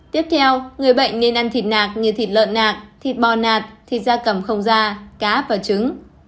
tiếp theo người bệnh nên ăn thịt nạc như thịt lợn nạc thịt bò nạt thịt da cầm không da cá và trứng